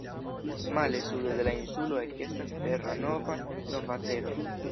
Male, sude de la insulo ekestas terra nova, nova tero.